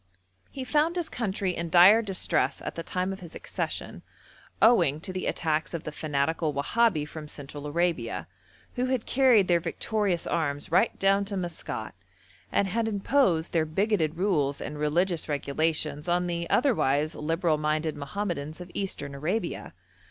He found his country in dire distress at the time of his accession, owing to the attacks of the fanatical Wahabi from Central Arabia, who had carried their victorious arms right down to Maskat, and had imposed their bigoted rules and religious regulations on the otherwise liberal minded Mohammedans of Eastern Arabia.